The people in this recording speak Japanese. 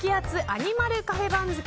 アニマルカフェ番付。